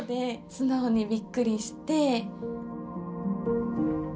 素直にびっくりして。